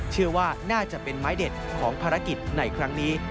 เชื่อว่าน่าจะเป็นไม้เด็ดของภารกิจในครั้งนี้